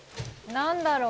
何だろう？